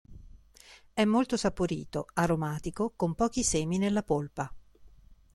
È molto saporito, aromatico con pochi semi nella polpa.